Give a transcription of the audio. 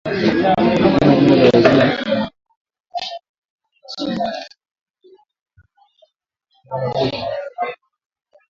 Hakuna jina la wenyeji kwa ugonjwa huu wa ngamia Ugonjwa huu uligunduliwa na kuripotiwa